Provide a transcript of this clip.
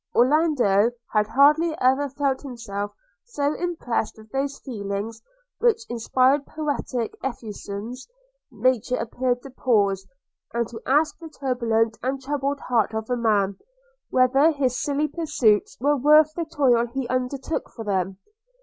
Orlando had hardly ever felt himself so impressed with those feelings which inspire poetic effusions: – Nature appeared to pause, and to ask the turbulent and troubled heart of man, whether his silly pursuits were worth the toil he undertook for them?